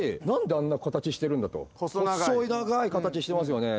細長い形してますよね。